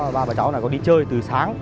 ba bà cháu có đi chơi từ sáng